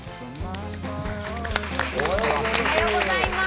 おはようございます。